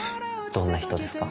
どんな人ですか？